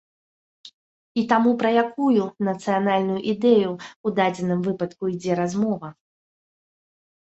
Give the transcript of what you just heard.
І таму пра якую нацыянальную ідэю ў дадзеным выпадку ідзе размова?